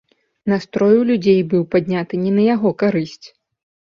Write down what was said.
Настрой у людзей быў падняты не на яго карысць.